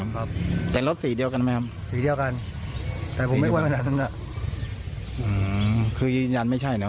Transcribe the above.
คือยืนยันไม่ใช่เนอ